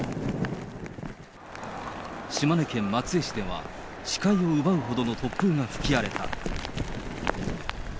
島根県松江市では、視界を奪うほどの突風が吹き荒れた。